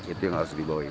itu yang harus dibawa